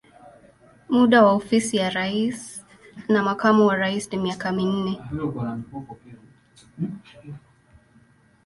Muda wa ofisi ya rais na makamu wa rais ni miaka minne.